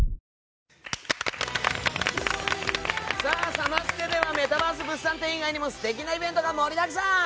サマステでは「メタバース物産展」以外にも素敵なイベントが盛りだくさん！